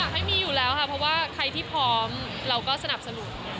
ให้มีอยู่แล้วค่ะเพราะว่าใครที่พร้อมเราก็สนับสนุน